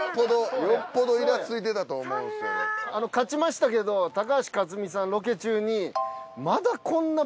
あの勝ちましたけど高橋克実さんロケ中に。